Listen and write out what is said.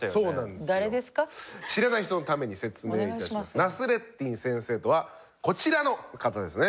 ナスレッディン先生とはこちらの方ですね。